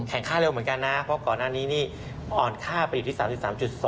ค่าเร็วเหมือนกันนะเพราะก่อนหน้านี้นี่อ่อนค่าไปอยู่ที่๓๓๒